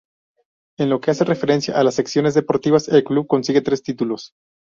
En lo que hace referencia a las secciones deportivas, el club consigue tres títulos.